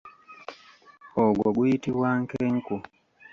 Ogwo guyitibwa nkenku.